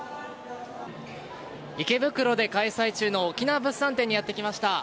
池袋で開催中の沖縄物産展にやってきました。